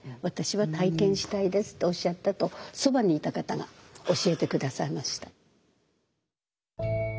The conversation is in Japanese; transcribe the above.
私は体験したいですっておっしゃったとそばにいた方が教えて下さいました。